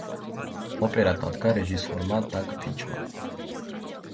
ოპერა დადგა რეჟისორმა დაგ ფიჩმა.